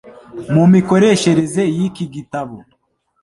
Mu mikoreshereze y'iki gitabo